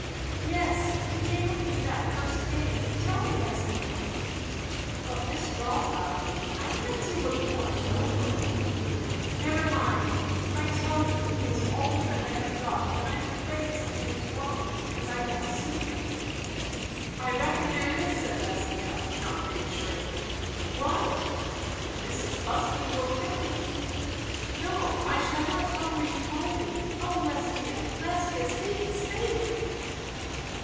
"Yes. He came with me that first day. Tell me, Lesbia!" "But Miss Rotha, I can't see what you want to know fur?" "Never mind. I tell you, he is all the friend I have got; and I'm afraid something is wrong, because I don't see him." "I reckon there is," said Lesbia, not reassuringly. "What?" "Mrs. Busby will kill me." "No, I shall not tell her you told me. O Lesbia, Lesbia, speak, speak!"